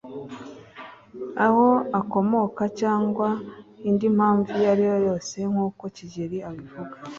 aho akomoka cyangwa indi mpamvu iyo ariyo yose nkuko Kigeli abivuga